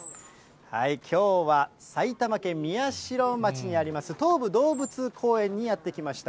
きょうは埼玉県宮代町にあります、東武動物公園にやって来ました。